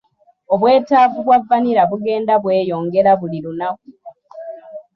Obwetaavu bwa vanilla bugenda bweyongera buli lunaku.